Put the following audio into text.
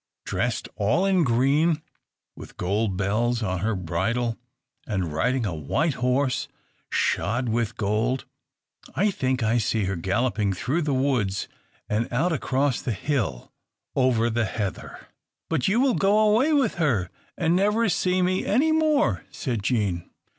dressed all in green, with gold bells on her bridle, and riding a white horse shod with gold! I think I see her galloping through the woods and out across the hill, over the heather.' "But you will go away with her, and never see me any more," said Jean.